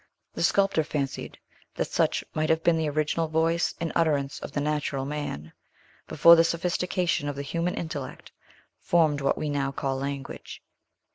The sculptor fancied that such might have been the original voice and utterance of the natural man, before the sophistication of the human intellect formed what we now call language.